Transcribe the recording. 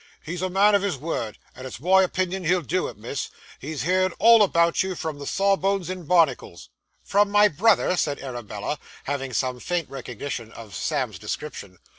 'He's a man of his word, and it's my opinion he'll do it, miss. He's heerd all about you from the sawbones in barnacles.' 'From my brother!' said Arabella, having some faint recognition of Sam's description.